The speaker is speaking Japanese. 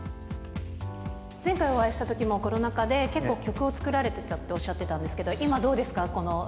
前回お会いしたときもコロナ禍で、結構、曲を作られてたとおっしゃっていましたけど、今どうですか？